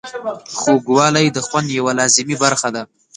خوږوالی د خوند یوه لازمي برخه ده.